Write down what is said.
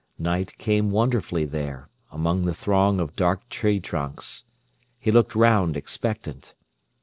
Night came wonderfully there, among the throng of dark tree trunks. He looked round, expectant.